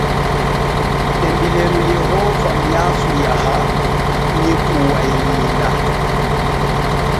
Embilenu Yehova miaso yaha nyi kuwaila.